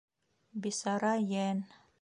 Бисара йән.